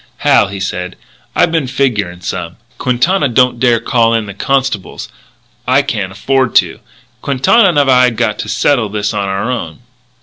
"Hal," he said, "I been figuring some. Quintana don't dare call in the constables. I can't afford to. Quintana and I've got to settle this on our own."